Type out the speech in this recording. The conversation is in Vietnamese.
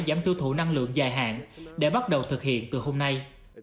giảm tiêu thụ năng lượng dài hạn để bắt đầu thực hiện từ hôm nay